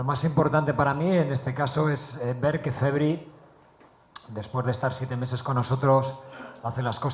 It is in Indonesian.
dan itu yang paling penting bagi seorang pelatih